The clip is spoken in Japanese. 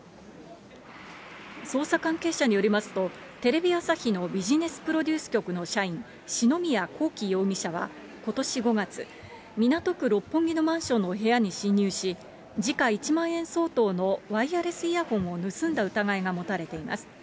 捜査関係者によりますと、テレビ朝日のビジネスプロデュース局の社員、篠宮康希容疑者はことし５月、港区六本木のマンションの部屋に侵入し、時価１万円相当のワイヤレスイヤホンを盗んだ疑いが持たれています。